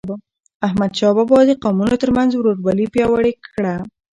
احمدشاه بابا د قومونو ترمنځ ورورولي پیاوړی کړه.